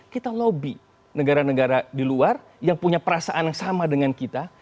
kita lobby negara negara di luar yang punya perasaan yang sama dengan kita